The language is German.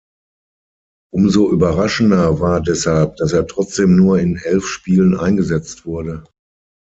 Umso überraschender war deshalb, dass er trotzdem nur in elf Spielen eingesetzt wurde.